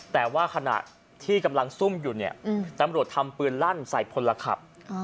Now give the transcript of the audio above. แต่ว่าขณะที่กำลังซุ่มอยู่เนี่ยตำรวจทำปืนลั่นใส่พลขับ